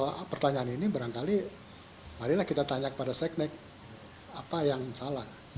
tampaknya kalau pertanyaan ini barangkali marilah kita tanya kepada sstec apa yang salah